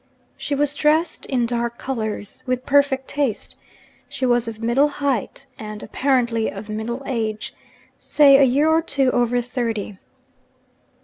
She was dressed in dark colours, with perfect taste; she was of middle height, and (apparently) of middle age say a year or two over thirty.